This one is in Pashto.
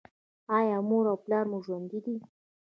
ایا مور او پلار مو ژوندي دي؟